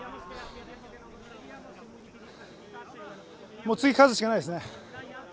もう、次、勝つしかないです